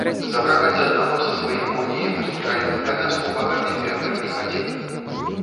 Запрагаць аднаго са сваіх коней у звычайную каляску багаты фермер не хацеў.